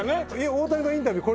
大谷のインタビュー